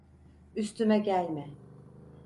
Üstüme gelme.